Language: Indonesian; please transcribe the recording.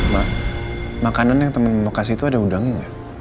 ma makanan yang temen mau kasih itu ada udangnya gak